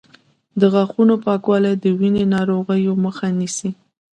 د غاښونو پاکوالی د وینې ناروغیو مخه نیسي.